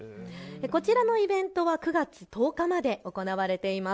こちらのイベントは９月１０日まで行われています。